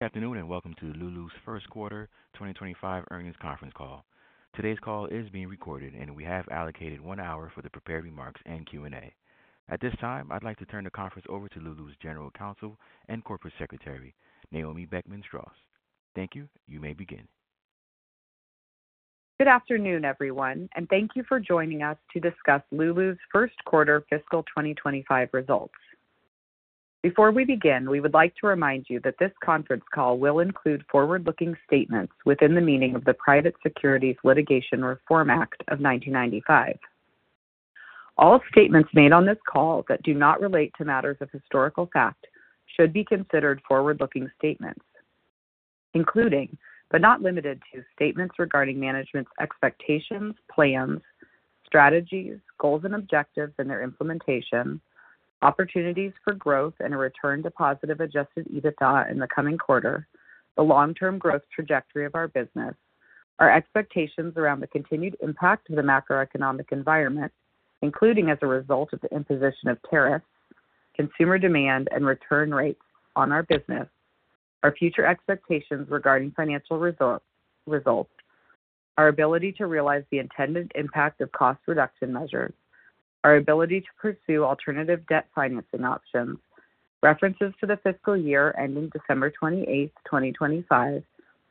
Good afternoon and welcome to Lulu's First Quarter 2025 earnings conference call. Today's call is being recorded, and we have allocated one hour for the prepared remarks and Q&A. At this time, I'd like to turn the conference over to Lulu's General Counsel and Corporate Secretary, Naomi Beckman-Straus. Thank you. You may begin. Good afternoon, everyone, and thank you for joining us to discuss Lulu's first quarter fiscal 2025 results. Before we begin, we would like to remind you that this conference call will include forward-looking statements within the meaning of the Private Securities Litigation Reform Act of 1995. All statements made on this call that do not relate to matters of historical fact should be considered forward-looking statements, including, but not limited to, statements regarding management's expectations, plans, strategies, goals and objectives in their implementation, opportunities for growth and a return to positive adjusted EBITDA in the coming quarter, the long-term growth trajectory of our business, our expectations around the continued impact of the macroeconomic environment, including as a result of the imposition of tariffs, consumer demand and return rates on our business, our future expectations regarding financial results, our ability to realize the intended impact of cost reduction measures, our ability to pursue alternative debt financing options, references to the fiscal year ending December 28, 2025,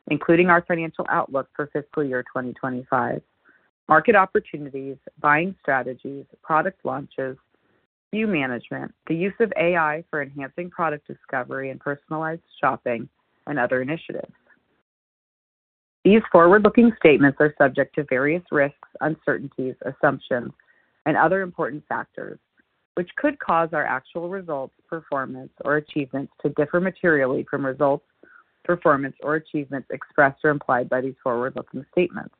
including our financial outlook for fiscal year 2025, market opportunities, buying strategies, product launches, SKU management, the use of AI for enhancing product discovery and personalized shopping, and other initiatives. These forward-looking statements are subject to various risks, uncertainties, assumptions, and other important factors, which could cause our actual results, performance, or achievements to differ materially from results, performance, or achievements expressed or implied by these forward-looking statements.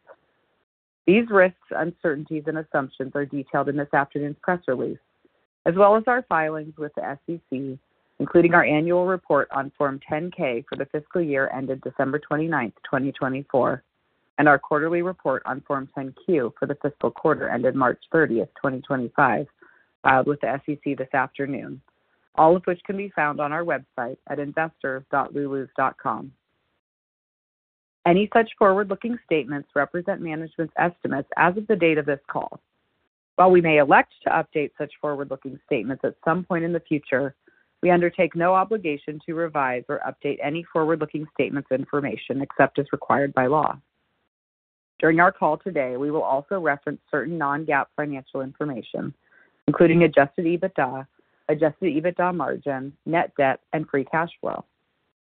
These risks, uncertainties, and assumptions are detailed in this afternoon's press release, as well as our filings with the SEC, including our annual report on Form 10-K for the fiscal year ended December 29, 2024, and our quarterly report on Form 10-Q for the fiscal quarter ended March 30, 2025, filed with the SEC this afternoon, all of which can be found on our website at investors.lulus.com. Any such forward-looking statements represent management's estimates as of the date of this call. While we may elect to update such forward-looking statements at some point in the future, we undertake no obligation to revise or update any forward-looking statements information except as required by law. During our call today, we will also reference certain non-GAAP financial information, including adjusted EBITDA, adjusted EBITDA margin, net debt, and free cash flow.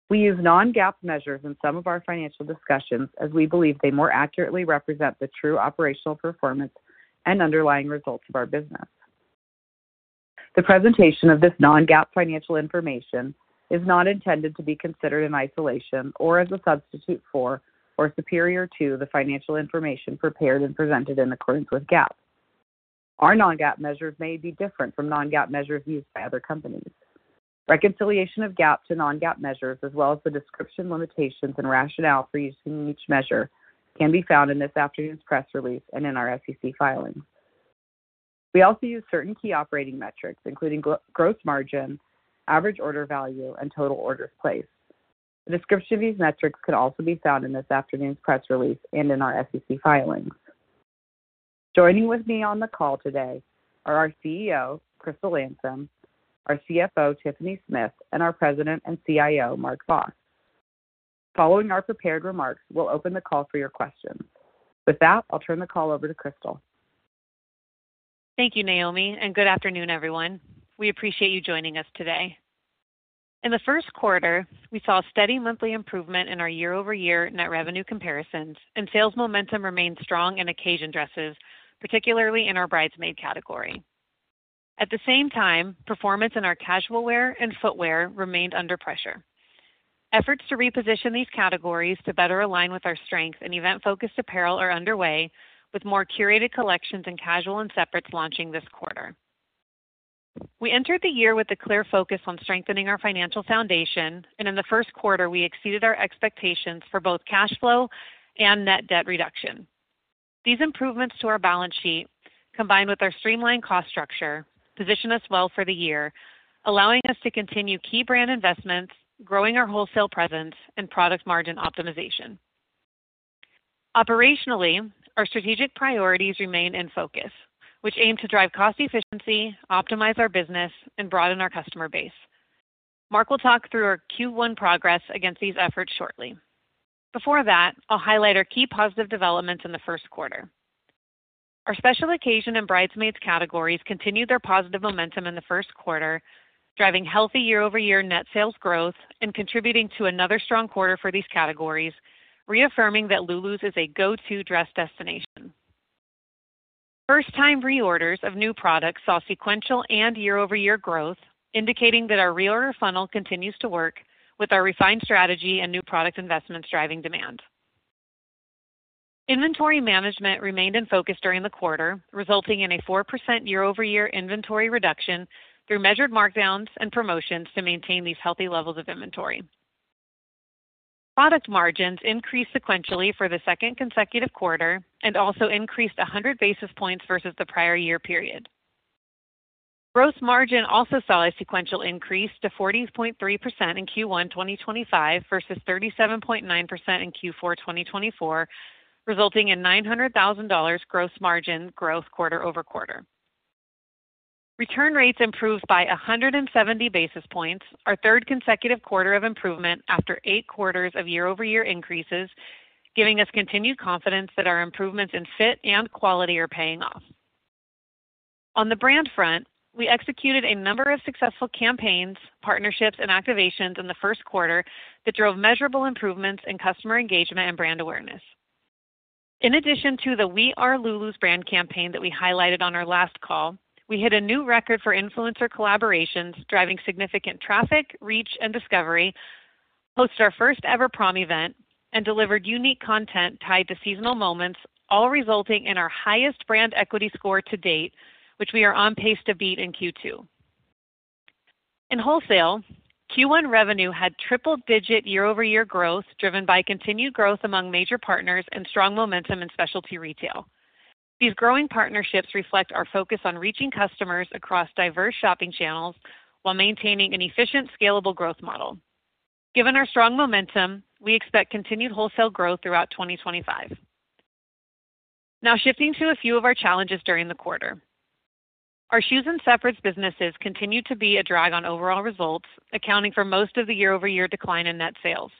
We use non-GAAP measures in some of our financial discussions as we believe they more accurately represent the true operational performance and underlying results of our business. The presentation of this non-GAAP financial information is not intended to be considered in isolation or as a substitute for or superior to the financial information prepared and presented in accordance with GAAP. Our non-GAAP measures may be different from non-GAAP measures used by other companies. Reconciliation of GAAP to non-GAAP measures, as well as the description, limitations, and rationale for using each measure, can be found in this afternoon's press release and in our SEC filings. We also use certain key operating metrics, including gross margin, average order value, and total orders placed. The description of these metrics can also be found in this afternoon's press release and in our SEC filings. Joining with me on the call today are our CEO, Crystal Landsem, our CFO, Tiffany Smith, and our President and CIO, Marc Vos. Following our prepared remarks, we'll open the call for your questions. With that, I'll turn the call over to Crystal. Thank you, Naomi, and good afternoon, everyone. We appreciate you joining us today. In the first quarter, we saw a steady monthly improvement in our year-over-year net revenue comparisons, and sales momentum remained strong in occasion dresses, particularly in our bridesmaid category. At the same time, performance in our casual wear and footwear remained under pressure. Efforts to reposition these categories to better align with our strengths and event-focused apparel are underway, with more curated collections and casual and separates launching this quarter. We entered the year with a clear focus on strengthening our financial foundation, and in the first quarter, we exceeded our expectations for both cash flow and net debt reduction. These improvements to our balance sheet, combined with our streamlined cost structure, position us well for the year, allowing us to continue key brand investments, growing our wholesale presence, and product margin optimization. Operationally, our strategic priorities remain in focus, which aim to drive cost efficiency, optimize our business, and broaden our customer base. Marc will talk through our Q1 progress against these efforts shortly. Before that, I'll highlight our key positive developments in the first quarter. Our special occasion and bridesmaid categories continued their positive momentum in the first quarter, driving healthy year-over-year net sales growth and contributing to another strong quarter for these categories, reaffirming that Lulu's is a go-to dress destination. First-time reorders of new products saw sequential and year-over-year growth, indicating that our reorder funnel continues to work with our refined strategy and new product investments driving demand. Inventory management remained in focus during the quarter, resulting in a 4% year-over-year inventory reduction through measured markdowns and promotions to maintain these healthy levels of inventory. Product margins increased sequentially for the second consecutive quarter and also increased 100 basis points versus the prior year period. Gross margin also saw a sequential increase to 40.3% in Q1 2025 versus 37.9% in Q4 2024, resulting in $900,000 gross margin growth quarter over quarter. Return rates improved by 170 basis points, our third consecutive quarter of improvement after eight quarters of year-over-year increases, giving us continued confidence that our improvements in fit and quality are paying off. On the brand front, we executed a number of successful campaigns, partnerships, and activations in the first quarter that drove measurable improvements in customer engagement and brand awareness. In addition to the "We Are Lulu's" brand campaign that we highlighted on our last call, we hit a new record for influencer collaborations, driving significant traffic, reach, and discovery, hosted our first-ever prom event, and delivered unique content tied to seasonal moments, all resulting in our highest brand equity score to date, which we are on pace to beat in Q2. In wholesale, Q1 revenue had triple-digit year-over-year growth driven by continued growth among major partners and strong momentum in specialty retail. These growing partnerships reflect our focus on reaching customers across diverse shopping channels while maintaining an efficient, scalable growth model. Given our strong momentum, we expect continued wholesale growth throughout 2025. Now, shifting to a few of our challenges during the quarter, our shoes and separates businesses continue to be a drag on overall results, accounting for most of the year-over-year decline in net sales.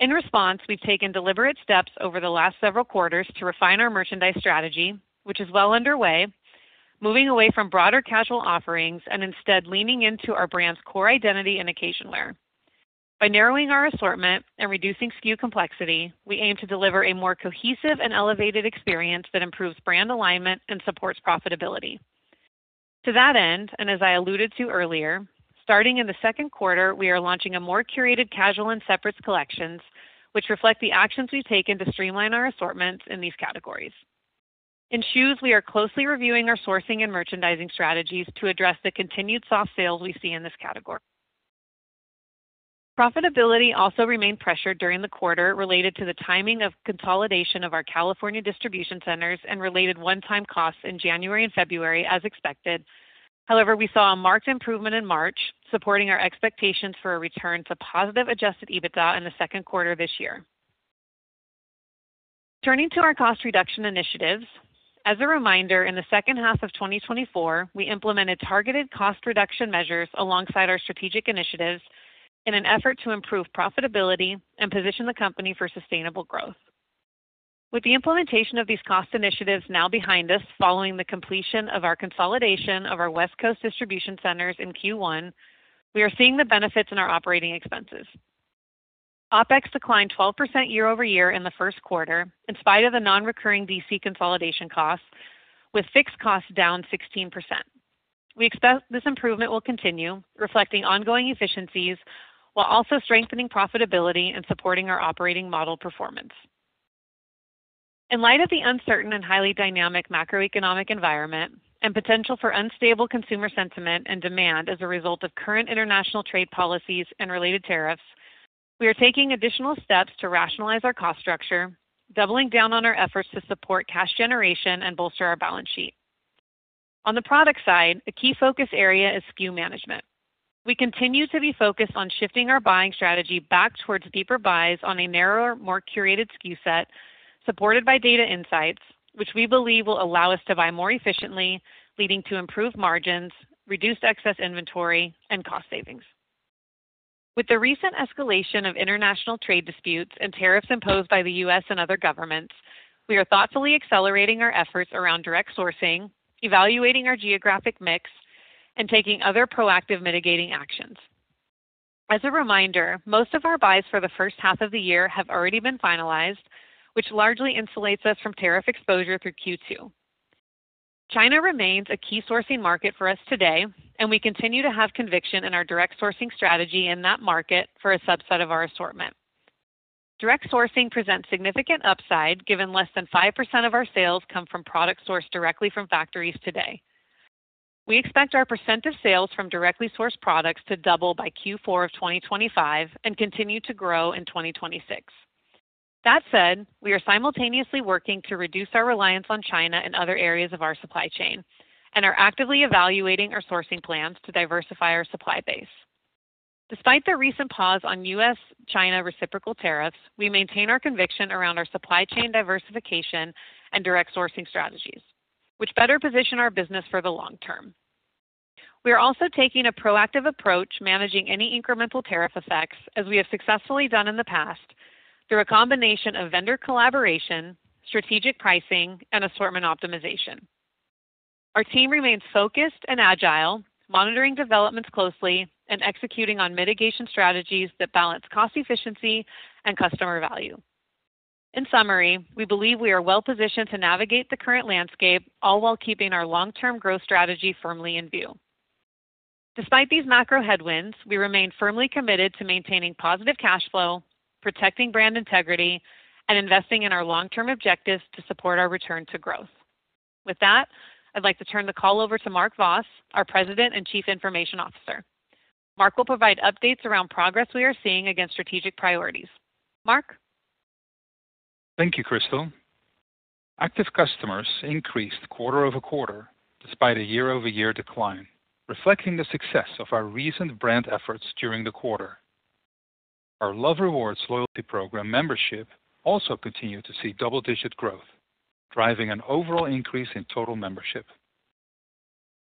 In response, we've taken deliberate steps over the last several quarters to refine our merchandise strategy, which is well underway, moving away from broader casual offerings and instead leaning into our brand's core identity in occasion wear. By narrowing our assortment and reducing SKU complexity, we aim to deliver a more cohesive and elevated experience that improves brand alignment and supports profitability. To that end, and as I alluded to earlier, starting in the second quarter, we are launching a more curated casual and separates collections, which reflect the actions we've taken to streamline our assortments in these categories. In shoes, we are closely reviewing our sourcing and merchandising strategies to address the continued soft sales we see in this category. Profitability also remained pressured during the quarter related to the timing of consolidation of our California distribution centers and related one-time costs in January and February, as expected. However, we saw a marked improvement in March, supporting our expectations for a return to positive adjusted EBITDA in the second quarter of this year. Turning to our cost reduction initiatives, as a reminder, in the second half of 2024, we implemented targeted cost reduction measures alongside our strategic initiatives in an effort to improve profitability and position the company for sustainable growth. With the implementation of these cost initiatives now behind us, following the completion of our consolidation of our West Coast distribution centers in Q1, we are seeing the benefits in our operating expenses. OPEX declined 12% year-over-year in the first quarter, in spite of the non-recurring DC consolidation costs, with fixed costs down 16%. We expect this improvement will continue, reflecting ongoing efficiencies while also strengthening profitability and supporting our operating model performance. In light of the uncertain and highly dynamic macroeconomic environment and potential for unstable consumer sentiment and demand as a result of current international trade policies and related tariffs, we are taking additional steps to rationalize our cost structure, doubling down on our efforts to support cash generation and bolster our balance sheet. On the product side, a key focus area is SKU management. We continue to be focused on shifting our buying strategy back towards deeper buys on a narrower, more curated SKU set, supported by data insights, which we believe will allow us to buy more efficiently, leading to improved margins, reduced excess inventory, and cost savings. With the recent escalation of international trade disputes and tariffs imposed by the U.S. and other governments, we are thoughtfully accelerating our efforts around direct sourcing, evaluating our geographic mix, and taking other proactive mitigating actions. As a reminder, most of our buys for the first half of the year have already been finalized, which largely insulates us from tariff exposure through Q2. China remains a key sourcing market for us today, and we continue to have conviction in our direct sourcing strategy in that market for a subset of our assortment. Direct sourcing presents significant upside given less than 5% of our sales come from products sourced directly from factories today. We expect our percent of sales from directly sourced products to double by Q4 of 2025 and continue to grow in 2026. That said, we are simultaneously working to reduce our reliance on China and other areas of our supply chain and are actively evaluating our sourcing plans to diversify our supply base. Despite the recent pause on U.S.-China reciprocal tariffs, we maintain our conviction around our supply chain diversification and direct sourcing strategies, which better position our business for the long term. We are also taking a proactive approach managing any incremental tariff effects, as we have successfully done in the past, through a combination of vendor collaboration, strategic pricing, and assortment optimization. Our team remains focused and agile, monitoring developments closely and executing on mitigation strategies that balance cost efficiency and customer value. In summary, we believe we are well-positioned to navigate the current landscape, all while keeping our long-term growth strategy firmly in view. Despite these macro headwinds, we remain firmly committed to maintaining positive cash flow, protecting brand integrity, and investing in our long-term objectives to support our return to growth. With that, I'd like to turn the call over to Marc Vos, our President and Chief Information Officer. Marc will provide updates around progress we are seeing against strategic priorities. Marc? Thank you, Crystal. Active customers increased quarter over quarter despite a year-over-year decline, reflecting the success of our recent brand efforts during the quarter. Our Love Rewards Loyalty Program membership also continued to see double-digit growth, driving an overall increase in total membership.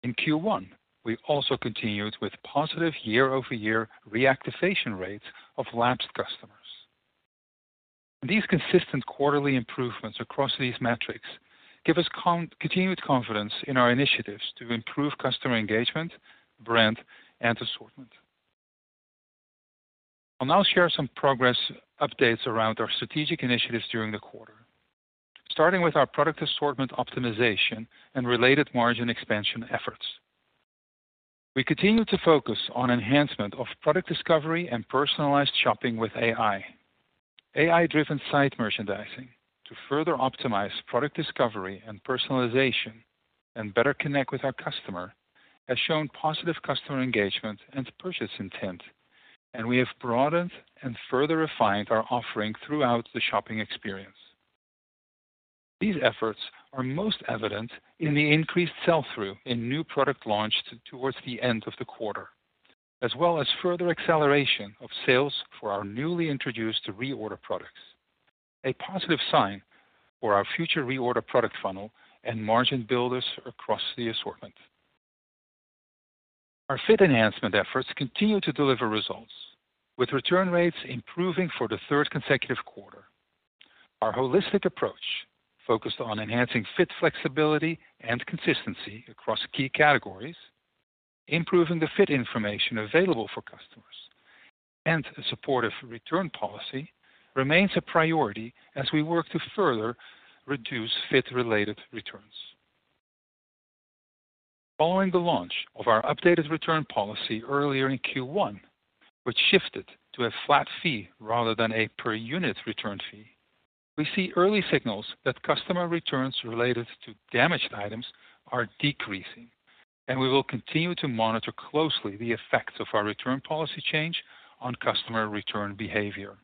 In Q1, we also continued with positive year-over-year reactivation rates of lapsed customers. These consistent quarterly improvements across these metrics give us continued confidence in our initiatives to improve customer engagement, brand, and assortment. I'll now share some progress updates around our strategic initiatives during the quarter, starting with our product assortment optimization and related margin expansion efforts. We continue to focus on enhancement of product discovery and personalized shopping with AI. AI-driven site merchandising to further optimize product discovery and personalization and better connect with our customer has shown positive customer engagement and purchase intent, and we have broadened and further refined our offering throughout the shopping experience. These efforts are most evident in the increased sell-through in new product launched towards the end of the quarter, as well as further acceleration of sales for our newly introduced reorder products, a positive sign for our future reorder product funnel and margin builders across the assortment. Our fit enhancement efforts continue to deliver results, with return rates improving for the third consecutive quarter. Our holistic approach, focused on enhancing fit flexibility and consistency across key categories, improving the fit information available for customers, and a supportive return policy, remains a priority as we work to further reduce fit-related returns. Following the launch of our updated return policy earlier in Q1, which shifted to a flat fee rather than a per-unit return fee, we see early signals that customer returns related to damaged items are decreasing, and we will continue to monitor closely the effects of our return policy change on customer return behavior.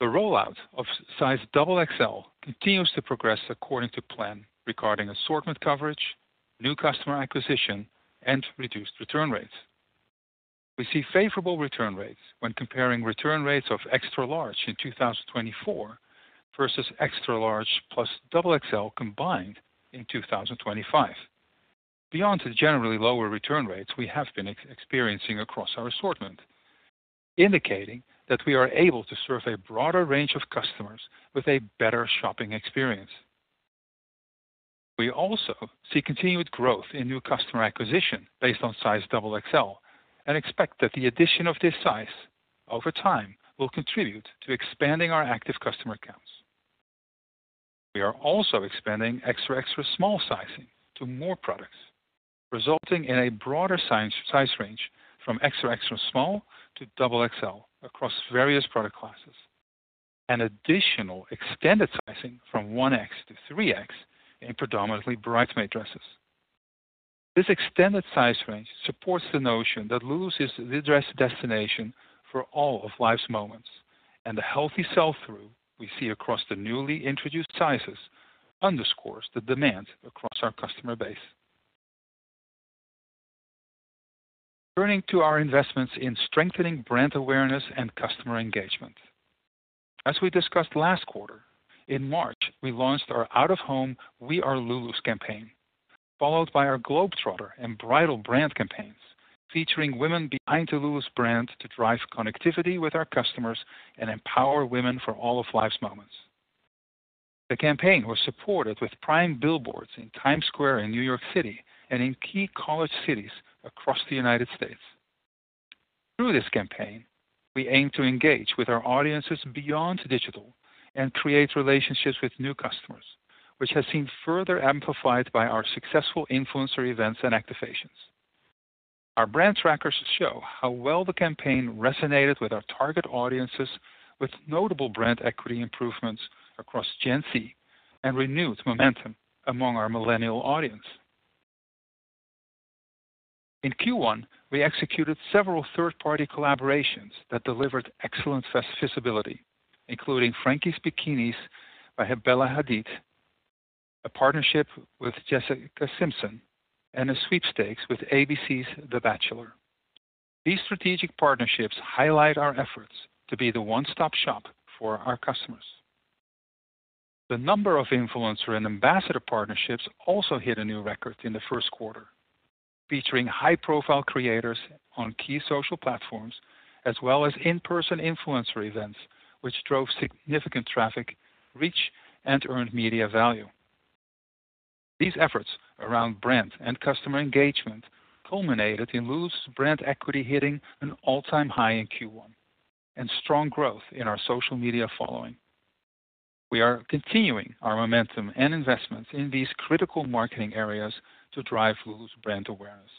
The rollout of size XXL continues to progress according to plan regarding assortment coverage, new customer acquisition, and reduced return rates. We see favorable return rates when comparing return rates of extra-large in 2024 versus extra-large plus XXL combined in 2025, beyond the generally lower return rates we have been experiencing across our assortment, indicating that we are able to serve a broader range of customers with a better shopping experience. We also see continued growth in new customer acquisition based on size XXL and expect that the addition of this size over time will contribute to expanding our active customer counts. We are also expanding extra-extra small sizing to more products, resulting in a broader size range from extra-extra small to XXL across various product classes, and additional extended sizing from 1X to 3X in predominantly bridesmaid dresses. This extended size range supports the notion that Lulu's is the dress destination for all of life's moments, and the healthy sell-through we see across the newly introduced sizes underscores the demand across our customer base. Turning to our investments in strengthening brand awareness and customer engagement. As we discussed last quarter, in March, we launched our out-of-home, "We Are Lulu's" campaign, followed by our Globetrotter and Bridal brand campaigns featuring women behind the Lulu's brand to drive connectivity with our customers and empower women for all of life's moments. The campaign was supported with prime billboards in Times Square in New York City and in key college cities across the United States. Through this campaign, we aim to engage with our audiences beyond digital and create relationships with new customers, which has been further amplified by our successful influencer events and activations. Our brand trackers show how well the campaign resonated with our target audiences, with notable brand equity improvements across Gen Z and renewed momentum among our millennial audience. In Q1, we executed several third-party collaborations that delivered excellent visibility, including Frankies Bikinis by Bella Hadid, a partnership with Jessica Simpson, and a sweepstakes with ABC's The Bachelor. These strategic partnerships highlight our efforts to be the one-stop shop for our customers. The number of influencer and ambassador partnerships also hit a new record in the first quarter, featuring high-profile creators on key social platforms as well as in-person influencer events, which drove significant traffic, reach, and earned media value. These efforts around brand and customer engagement culminated in Lulu's brand equity hitting an all-time high in Q1 and strong growth in our social media following. We are continuing our momentum and investments in these critical marketing areas to drive Lulu's brand awareness.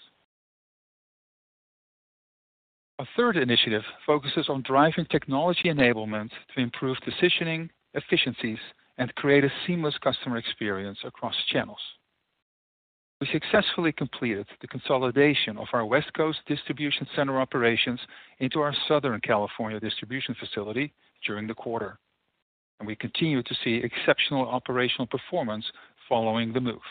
Our third initiative focuses on driving technology enablement to improve decisioning efficiencies and create a seamless customer experience across channels. We successfully completed the consolidation of our West Coast distribution center operations into our Southern California distribution facility during the quarter, and we continue to see exceptional operational performance following the move.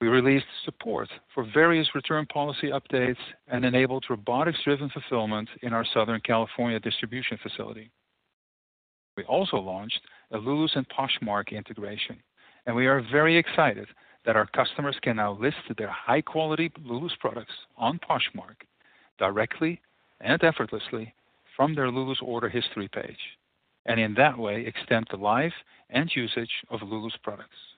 We released support for various return policy updates and enabled robotics-driven fulfillment in our Southern California distribution facility. We also launched a Lulu's and Poshmark integration, and we are very excited that our customers can now list their high-quality Lulu's products on Poshmark directly and effortlessly from their Lulu's order history page and in that way extend the life and usage of Lulu's products.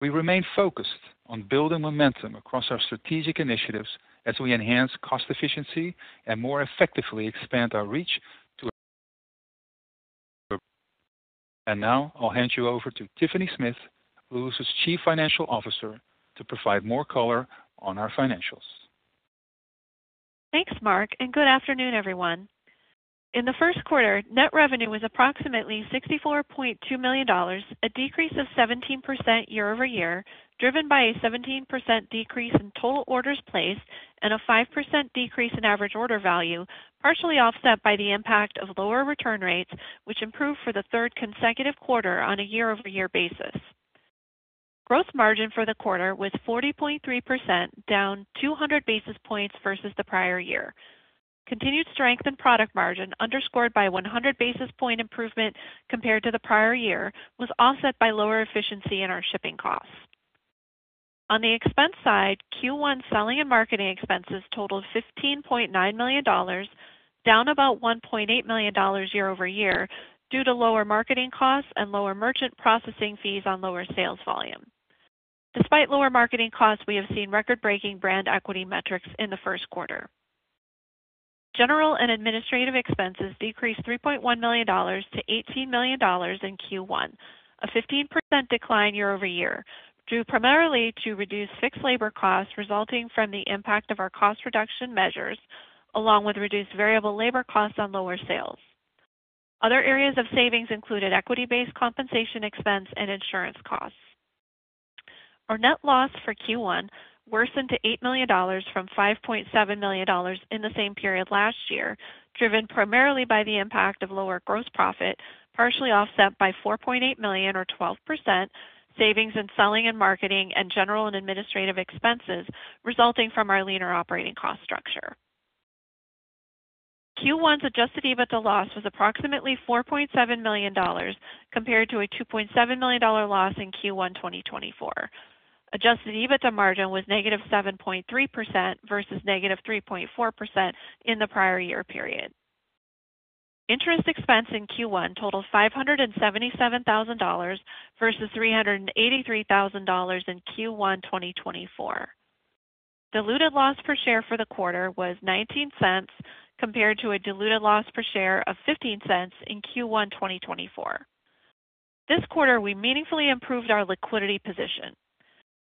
We remain focused on building momentum across our strategic initiatives as we enhance cost efficiency and more effectively expand our reach. Now I'll hand you over to Tiffany Smith, Lulu's Chief Financial Officer, to provide more color on our financials. Thanks, Marc, and good afternoon, everyone. In the first quarter, net revenue was approximately $64.2 million, a decrease of 17% year-over-year, driven by a 17% decrease in total orders placed and a 5% decrease in average order value, partially offset by the impact of lower return rates, which improved for the third consecutive quarter on a year-over-year basis. Gross margin for the quarter was 40.3%, down 200 basis points versus the prior year. Continued strength in product margin, underscored by 100 basis point improvement compared to the prior year, was offset by lower efficiency in our shipping costs. On the expense side, Q1 selling and marketing expenses totaled $15.9 million, down about $1.8 million year-over-year due to lower marketing costs and lower merchant processing fees on lower sales volume. Despite lower marketing costs, we have seen record-breaking brand equity metrics in the first quarter. General and administrative expenses decreased $3.1 million to $18 million in Q1, a 15% decline year-over-year, due primarily to reduced fixed labor costs resulting from the impact of our cost reduction measures, along with reduced variable labor costs on lower sales. Other areas of savings included equity-based compensation expense and insurance costs. Our net loss for Q1 worsened to $8 million from $5.7 million in the same period last year, driven primarily by the impact of lower gross profit, partially offset by $4.8 million, or 12%, savings in selling and marketing and general and administrative expenses resulting from our leaner operating cost structure. Q1's adjusted EBITDA loss was approximately $4.7 million compared to a $2.7 million loss in Q1 2023. Adjusted EBITDA margin was negative 7.3% versus negative 3.4% in the prior year period. Interest expense in Q1 totaled $577,000 versus $383,000 in Q1 2023. Diluted loss per share for the quarter was $0.19 compared to a diluted loss per share of $0.15 in Q1 2024. This quarter, we meaningfully improved our liquidity position.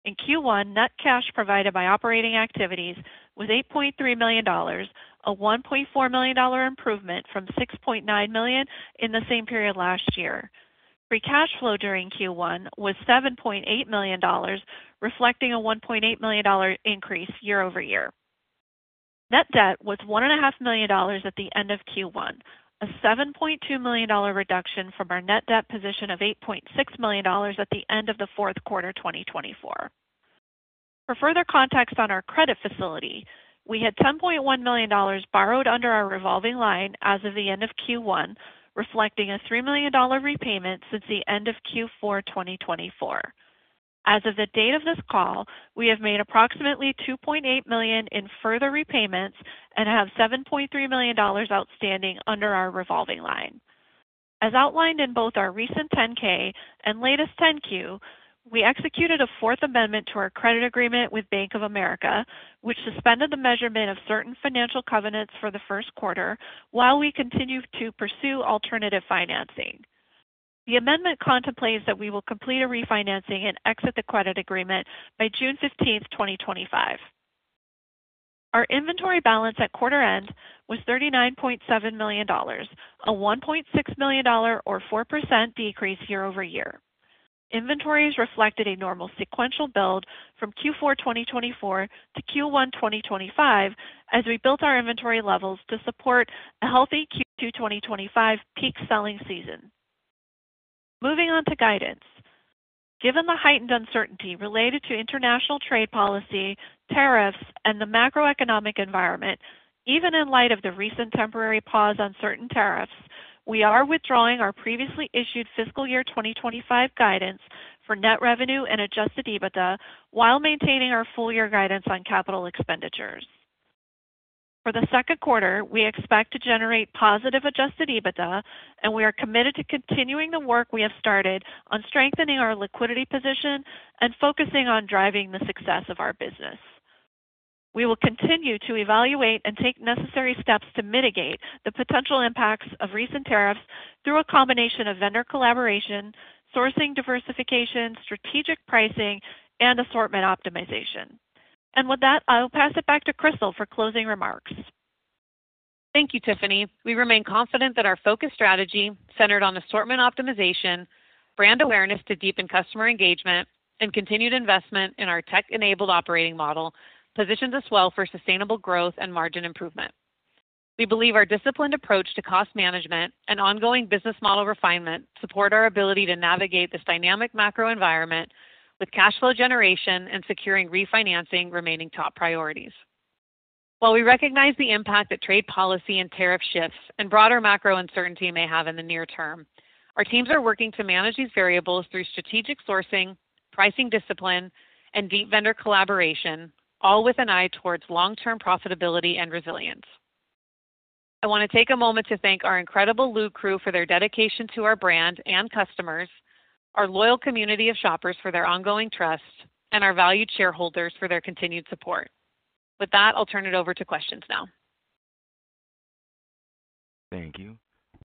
In Q1, net cash provided by operating activities was $8.3 million, a $1.4 million improvement from $6.9 million in the same period last year. Free cash flow during Q1 was $7.8 million, reflecting a $1.8 million increase year-over-year. Net debt was $1.5 million at the end of Q1, a $7.2 million reduction from our net debt position of $8.6 million at the end of the fourth quarter 2024. For further context on our credit facility, we had $10.1 million borrowed under our revolving line as of the end of Q1, reflecting a $3 million repayment since the end of Q4 2024. As of the date of this call, we have made approximately $2.8 million in further repayments and have $7.3 million outstanding under our revolving line. As outlined in both our recent 10-K and latest 10-Q, we executed a Fourth Amendment to our credit agreement with Bank of America, which suspended the measurement of certain financial covenants for the first quarter while we continue to pursue alternative financing. The amendment contemplates that we will complete a refinancing and exit the credit agreement by June 15, 2025. Our inventory balance at quarter end was $39.7 million, a $1.6 million, or 4% decrease year-over-year. Inventories reflected a normal sequential build from Q4 2024 to Q1 2025 as we built our inventory levels to support a healthy Q2 2025 peak selling season. Moving on to guidance. Given the heightened uncertainty related to international trade policy, tariffs, and the macroeconomic environment, even in light of the recent temporary pause on certain tariffs, we are withdrawing our previously issued fiscal year 2025 guidance for net revenue and adjusted EBITDA while maintaining our full-year guidance on capital expenditures. For the second quarter, we expect to generate positive adjusted EBITDA, and we are committed to continuing the work we have started on strengthening our liquidity position and focusing on driving the success of our business. We will continue to evaluate and take necessary steps to mitigate the potential impacts of recent tariffs through a combination of vendor collaboration, sourcing diversification, strategic pricing, and assortment optimization. With that, I'll pass it back to Crystal for closing remarks. Thank you, Tiffany. We remain confident that our focused strategy centered on assortment optimization, brand awareness to deepen customer engagement, and continued investment in our tech-enabled operating model positions us well for sustainable growth and margin improvement. We believe our disciplined approach to cost management and ongoing business model refinement support our ability to navigate this dynamic macro environment with cash flow generation and securing refinancing remaining top priorities. While we recognize the impact that trade policy and tariff shifts and broader macro uncertainty may have in the near term, our teams are working to manage these variables through strategic sourcing, pricing discipline, and deep vendor collaboration, all with an eye towards long-term profitability and resilience. I want to take a moment to thank our incredible Lulu crew for their dedication to our brand and customers, our loyal community of shoppers for their ongoing trust, and our valued shareholders for their continued support. With that, I'll turn it over to questions now. Thank you.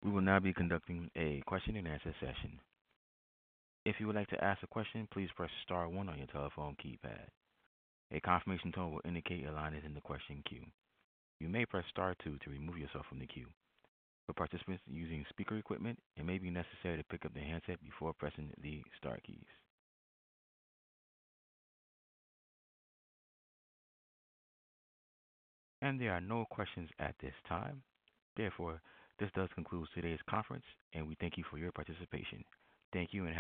We will now be conducting a question-and-answer session. If you would like to ask a question, please press Star one on your telephone keypad. A confirmation tone will indicate your line is in the question queue. You may press Star two to remove yourself from the queue. For participants using speaker equipment, it may be necessary to pick up the handset before pressing the Star keys. There are no questions at this time. Therefore, this does conclude today's conference, and we thank you for your participation. Thank you.